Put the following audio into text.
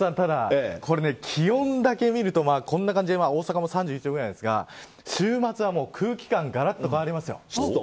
気温だけ見るとこんな感じで大阪も３１度くらいですが週末は空気感ががらっと変わります。